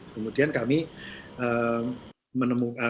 kemudian kami menemukan